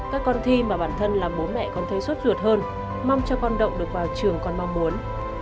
các con thi mà bản thân làm bố mẹ con thấy suốt ruột hơn mong cho con động được vào trường con mong muốn